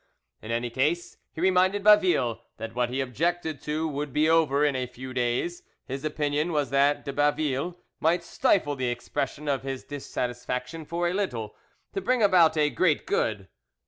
In any case, he reminded Baville that what he objected to would be over in a few days. His opinion was that de Baville might stifle the expression of his dissatisfaction for a little, to bring about a great good.